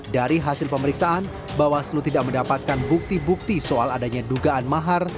dari hasil pemeriksaan bawaslu tidak mendapatkan bukti bukti soal adanya dugaan mahar